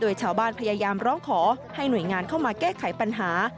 โดยชาวบ้านพยายามร้องขอให้หน่วยงานเข้ามาแก้ไขปัญหา